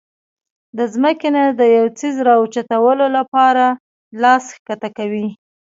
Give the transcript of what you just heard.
د زمکې نه د يو څيز را اوچتولو د پاره لاس ښکته کوي